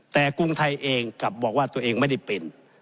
แต่กรุงไทยเองกลับบอกว่าตัวเองไม่ได้เป็น